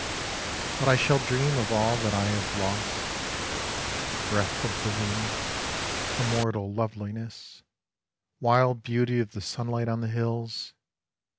But I shall dream of all that I have lost — Breath of the wind, immortal loveliness, Wild beauty of the sunlight on the hills.